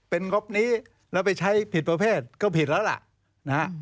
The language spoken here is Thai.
เป็นงบนี้แล้วไปใช้ผิดประเภทก็ผิดแล้วล่ะนะฮะ